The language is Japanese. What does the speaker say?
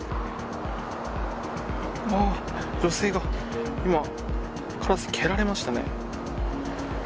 女性が、今カラスに蹴られましたね。